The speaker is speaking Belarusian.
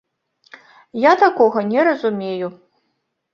Я такога не разумею.